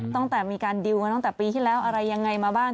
ตั้งแต่มีการดีลกันตั้งแต่ปีที่แล้วอะไรยังไงมาบ้าง